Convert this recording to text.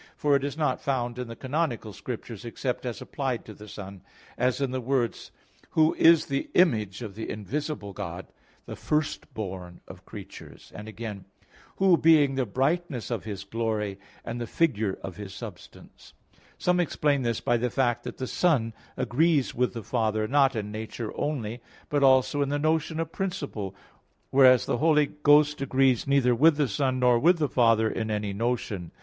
For it is not found in the canonical Scripture except as applied to the Son; as in the words, "Who is the Image of the invisible God, the firstborn of creatures" (Col. 1:15) and again: "Who being the brightness of His glory, and the figure of His substance." (Heb. 1:3). Some explain this by the fact that the Son agrees with the Father, not in nature only, but also in the notion of principle: whereas the Holy Ghost agrees neither with the Son, nor with the Father in any notion.